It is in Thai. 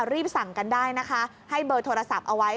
รีบสั่งกันได้นะคะให้เบอร์โทรศัพท์เอาไว้